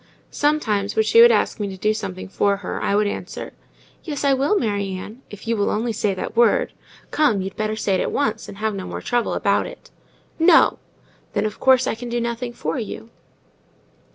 Sometimes, when she would ask me to do something for her, I would answer,—"Yes, I will, Mary Ann, if you will only say that word. Come! you'd better say it at once, and have no more trouble about it." "No." "Then, of course, I can do nothing for you."